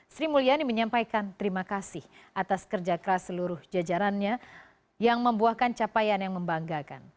sri mulyani menyampaikan terima kasih atas kerja keras seluruh jajarannya yang membuahkan capaian yang membanggakan